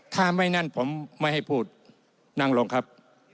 ถ้าไม่นั่นผมไม่ให้พูดนั่งลงครับ